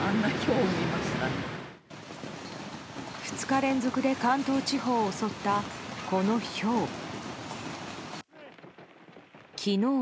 ２日連続で関東地方を襲ったこのひょう。